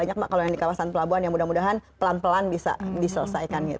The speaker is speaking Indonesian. terima kalau di kawasan pelabuhan yang mudah mudahan pelan pelan bisa diselesaikan